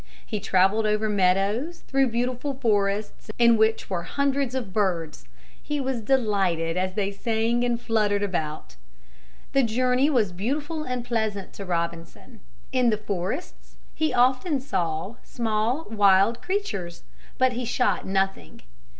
He traveled over meadows, through beautiful forests in which were hundreds of birds. He was delighted as they sang and fluttered about. The journey was beautiful and pleasant to Robinson. In the forests he often saw small wild creatures, but he shot nothing.